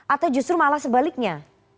atau justru malah sebaliknya